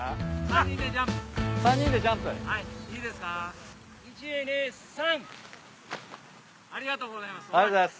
ありがとうございます。